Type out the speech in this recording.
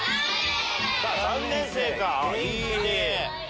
３年生かいいね。